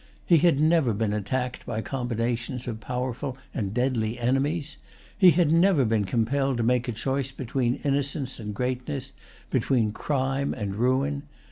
He had never been attacked by combinations of powerful and deadly enemies. He had never been compelled to make a choice between innocence and greatness, between crime and ruin.